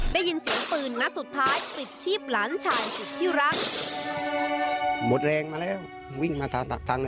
ได้ยินเสียงปืนณสุดท้ายติดทีบหลานชายสุดที่รัก